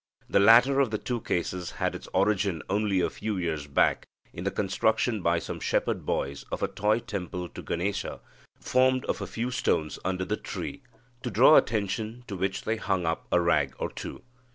The latter of the two cases had its origin only a few years back in the construction by some shepherd boys of a toy temple to Ganesa formed of a few stones under the tree, to draw attention to which they hung up a rag or two.